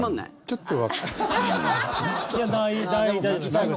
ちょっと。